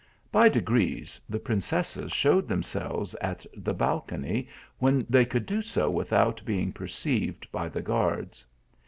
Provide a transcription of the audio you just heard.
By degrees the princesses showed themselves at the balcony, when they could do so without being per ceived by the guards.